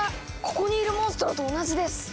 ここにいるモンストロと同じです！